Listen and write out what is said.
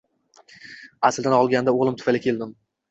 Aslini olganda, o`g`lim tufayli keldim